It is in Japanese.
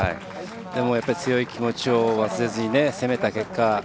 でも、強い気持ちを忘れずに攻めた結果。